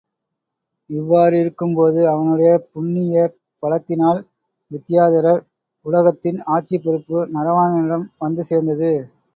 இவ்வாறிருக்கும்போது அவனுடைய புண்ணிய பலத்தினால் வித்தியாதரர் உலகத்தின் ஆட்சிப் பொறுப்பு நரவாணனிடம் வந்து சேர்ந்தது.